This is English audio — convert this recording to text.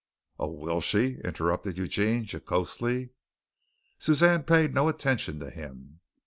"Oh, will she?" interrupted Eugene jocosely. Suzanne paid no attention to him.